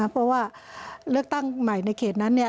เพราะว่าเลือกตั้งใหม่ในเขตนั้นเนี่ย